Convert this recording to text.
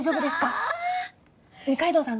イタ二階堂さん